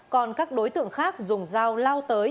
còn các đối tượng khác dùng dao lao tới